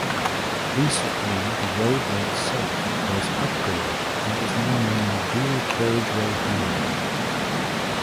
Recently the road link south was upgraded and is now mainly dual carriageway highway.